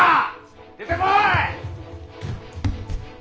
出てこい！